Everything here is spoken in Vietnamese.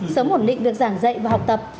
sớm ổn định việc giảng dạy và học tập